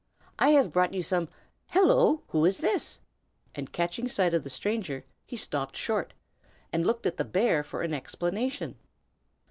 I have brought you some hello! who is this?" And catching sight of the stranger, he stopped short, and looked at the bear for an explanation.